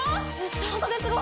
３カ月後？